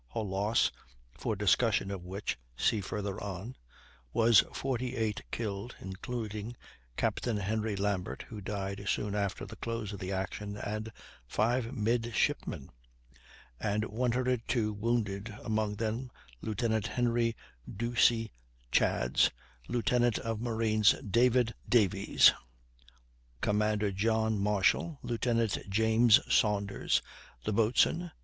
Her loss (for discussion of which see farther on) was 48 killed (including Captain Henry Lambert, who died soon after the close of the action, and five midshipmen), and 102 wounded, among them Lieutenant Henry Ducie Chads, Lieutenant of Marines David Davies, Commander John Marshall, Lieut. James Saunders, the boatswain.